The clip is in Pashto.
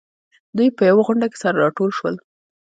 دوی په يوه غونډه کې سره راټول شول.